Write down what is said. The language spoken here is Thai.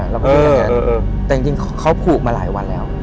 เราก็คิดอย่างนั้นแต่จริงเขาผูกมาหลายวันแล้ว